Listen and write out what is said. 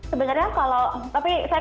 sebenarnya kalau tapi saya